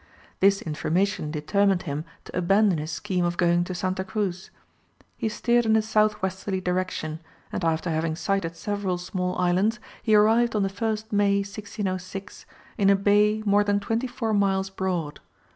This information determined him to abandon his scheme of going to Santa Cruz. He steered in a south westerly direction, and after having sighted several small islands, he arrived on the 1st May, 1606, in a bay more than twenty four miles broad.